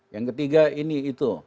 yang ketiga ini itu